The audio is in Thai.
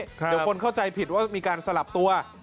เดี๋ยวคนเข้าใจผิดว่ามีการสลับตัว